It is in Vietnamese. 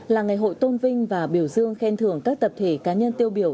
là ngày hội tôn vinh và biểu dương khen thưởng các tập thể cá nhân tiêu biểu